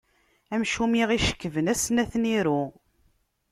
Amcum i ɣ-icekben ass-n ad ten-iru.